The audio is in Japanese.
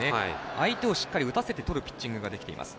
相手をしっかり打たせてとるピッチングができています。